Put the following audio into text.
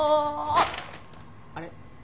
あれ？